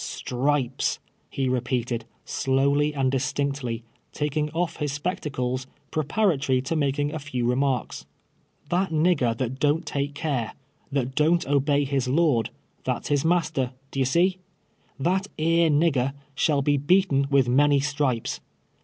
^^ Stripes,''' he repeated, slowly and distinctly, taking off his S2')ectacles, j^treparatory to making a few re marks. ''That nigger that don't take care — that don't obey his lord — that's his master — d'ye see ?— that ^ej^e nigger shall be beaten Avith many stripes.